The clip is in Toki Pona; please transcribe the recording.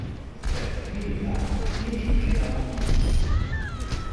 tenpo pini la ni li ike tawa mi kin.